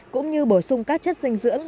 cũng như bổ sung các chất dinh dưỡng